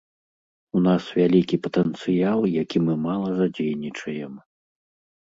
У нас вялікі патэнцыял, які мы мала задзейнічаем.